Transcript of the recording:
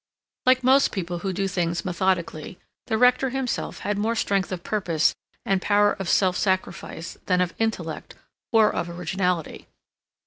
Like most people who do things methodically, the Rector himself had more strength of purpose and power of self sacrifice than of intellect or of originality.